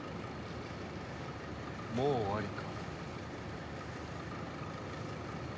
もう終わりか？